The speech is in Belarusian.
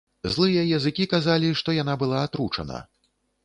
Злыя языкі казалі, што яна была атручана.